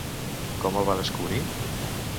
Com el va descobrir?